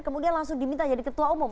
kemudian langsung diminta jadi ketua umum